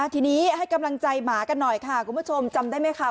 ทีนี้ให้กำลังใจหมากันหน่อยค่ะคุณผู้ชมจำได้ไหมคะ